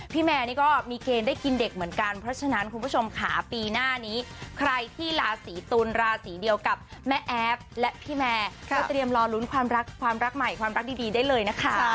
พี่แม่นี้ก็มีเกณฑ์ได้กินเด็กเหมือนกัน